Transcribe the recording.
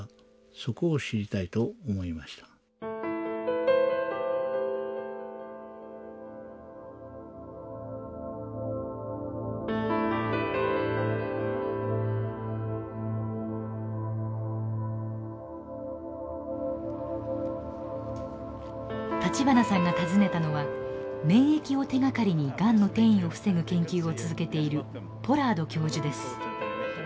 そこを知りたいと思いました立花さんが訪ねたのは免疫を手がかりにがんの転移を防ぐ研究を続けているポラード教授です。